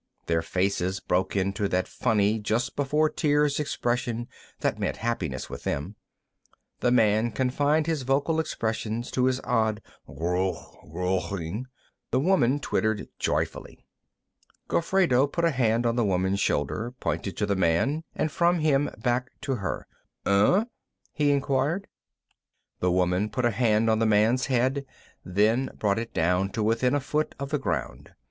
Their faces broke into that funny just before tears expression that meant happiness with them. The man confined his vocal expressions to his odd ghroogh ghroogh ing; the woman twittered joyfully. Gofredo put a hand on the woman's shoulder, pointed to the man and from him back to her. "Unh?" he inquired. The woman put a hand on the man's head, then brought it down to within a foot of the ground.